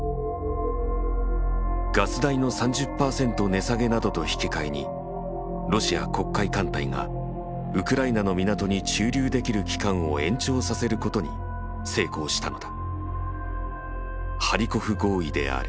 ガス代の３０％値下げなどと引き換えにロシア黒海艦隊がウクライナの港に駐留できる期間を延長させることに成功したのだ。